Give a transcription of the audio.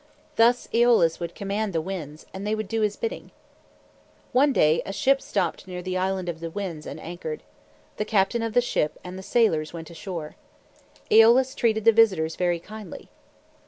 Thus Eolus would command the Winds, and they would do his bidding. One day a ship stopped near the island of the Winds, and anchored. The captain of the ship and the sailors went ashore. Eolus treated the visitors very kindly.